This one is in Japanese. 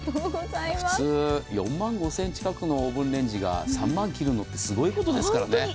普通、４万５０００円近くのオーブンレンジが３万切るのってすごいことですからね。